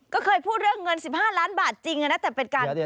ก็เคยพูดเรื่องเงิน๑๕ล้านบาทจริงนะแต่เป็นการ